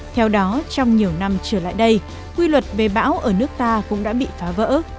theo đó trong nhiều năm trở lại đây quy luật về bão ở nước ta cũng đã bị phá vỡ